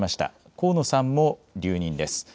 河野さんも留任です。